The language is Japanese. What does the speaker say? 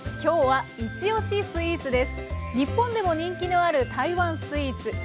日本でも人気のある台湾スイーツ。